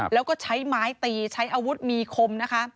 แล้วก็ใช้ไม้ตีใช้อาวุธมีคมนะคะ